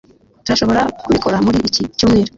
turashobora kubikora muri iki cyumweru